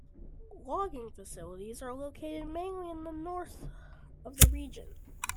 Logging facilities are located mainly in the north of the region.